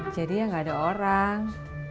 jadi ya gak ada orang